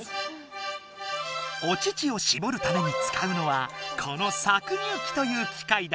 お乳をしぼるためにつかうのはこのさく乳機という機械だ。